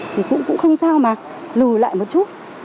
thì cũng không sao mà lùi lại một chút